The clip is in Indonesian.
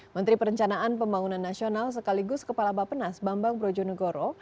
menteri perencanaan pembangunan nasional sekaligus kepala bapenas bambang brojonegoro